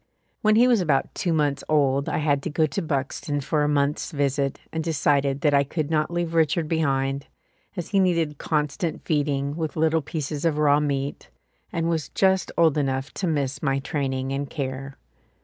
When he was about two months old I had to go to Buxton for a month's visit and decided that I could not leave Richard behind, as he needed constant feeding with little pieces of raw meat and was just old enough to miss my training and care.